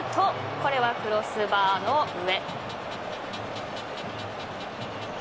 これはクロスバーの上。